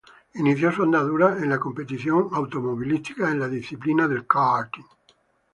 Inició su andadura en la competición automovilística en la disciplina del karting.